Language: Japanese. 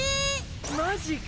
マジか！